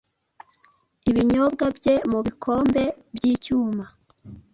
ibinyobwa bye mubikombe byicyuma